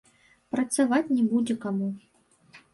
Працаваць не будзе каму.